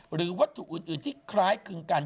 หรือวัตถุอื่นที่คล้ายคลึงกัน